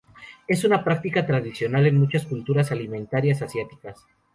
Es una práctica tradicional en muchas culturas alimentarias asiáticas.